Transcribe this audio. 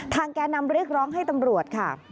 แก่นำเรียกร้องให้ตำรวจค่ะ